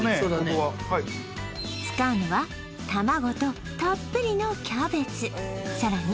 ここは使うのは卵とたっぷりのキャベツさらに